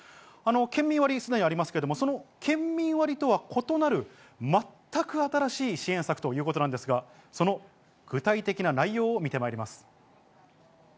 県民割、すでにありますけど、その県民割とは異なる、全く新しい支援策ということなんですが、その具体的な内容を見てまいります。